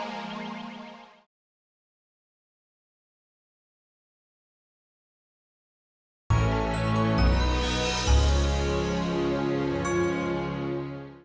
hari itu kami beli